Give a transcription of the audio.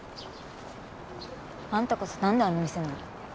あんたこそなんであの店なの？